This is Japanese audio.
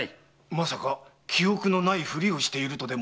まさか記憶のないふりをしているとでも？